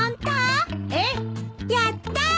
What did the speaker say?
やった！